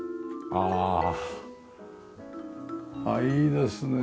ああいいですね。